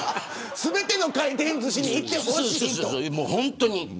全ての回転ずしに行ってほしい。